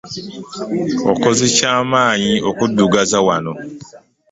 Okoze ky'amanyi okuddugaza wano.